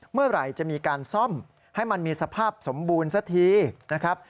เมื่อไหร่จะมีการซ่อมให้มันมีสภาพสมบูรณ์สักทีนะครับ